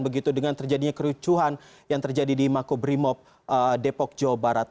begitu dengan terjadinya kericuhan yang terjadi di makobrimob depok jawa barat